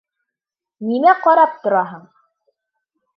Нимә ҡарап тораһың?!